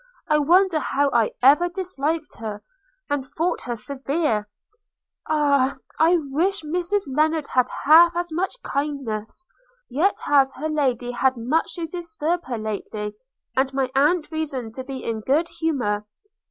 I wonder how I ever disliked her, and thought her severe. Ah! I wish Mrs Lennard had half as much kindness; yet has her Lady had much to disturb her lately, and my aunt reason to be in good humour.